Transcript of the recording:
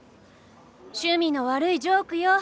趣味の悪いジョークよ。